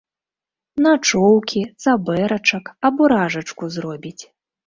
Начоўкі, цабэрачак або ражачку зробіць.